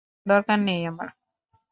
দরকার নেই আমার।